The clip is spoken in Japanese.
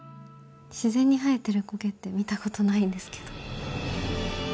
自然に生えてる苔って見たことないんですけど。